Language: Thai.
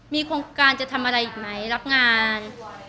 มีโครงการจะทำอะไรอีกไหมรับงาน